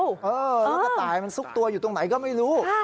แล้วกระต่ายมันซุกตัวอยู่ตรงไหนก็ไม่รู้